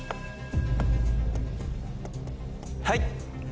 はい。